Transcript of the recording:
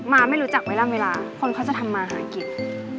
มาไม่รู้จักไหมล่ะเวลาคนเขาจะทำมาหากิน